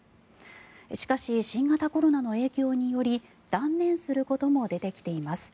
しかし、新型コロナの影響により断念することも出てきています。